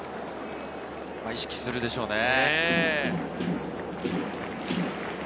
意識するでしょうね。